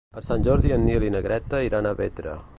Per Sant Jordi en Nil i na Greta iran a Bétera.